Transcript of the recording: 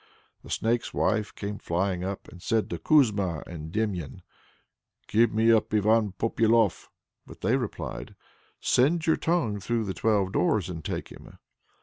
The Snake's Wife came flying up, and said to Kuzma and Demian, "Give me up Ivan Popyalof." But they replied: "Send your tongue through the twelve doors and take him."